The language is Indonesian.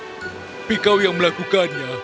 tapi kau yang melakukannya